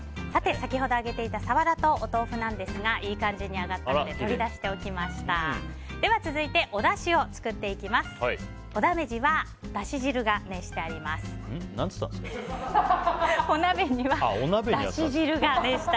先ほど揚げていたサワラとお豆腐なんですがいい感じに揚がったので取り出しておきました。